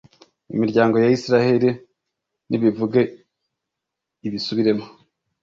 imiryango ya israheli nibivuge ibisubiremo